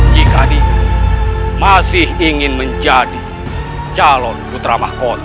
jika dia masih ingin menjadi calon putra mahkota